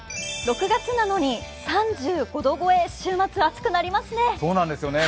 ６月なのに３５度超え、週末、暑くなりますね。